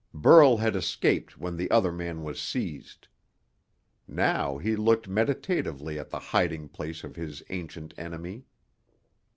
Burl had escaped when the other man was seized. Now he looked meditatively at the hiding place of his ancient enemy.